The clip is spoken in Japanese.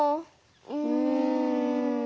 うん。